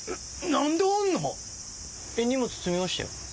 えっ荷物積みましたよ。